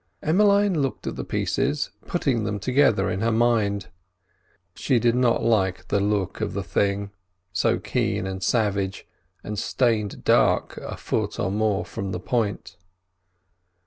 Emmeline looked at the pieces, putting them together in her mind. She did not like the look of the thing: so keen and savage, and stained dark a foot and more from the point.